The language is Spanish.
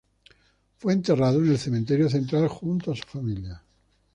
Fue enterrado en el Cementerio Central junto a su familia.